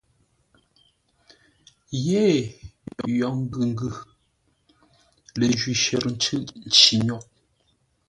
Yêee yo ngʉ ngʉ, ləjwi shərə ncʉ́ʼ nci nyôghʼ.